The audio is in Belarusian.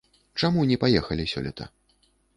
Чаму не паехалі сёлета?